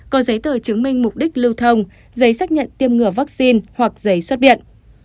có giấy tờ chứng minh mục đích lưu thông giấy xác nhận tiêm ngừa vaccine hoặc giấy xuất viện